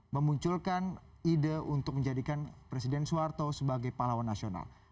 memunculkan ide untuk menjadikan presiden soeharto sebagai pahlawan nasional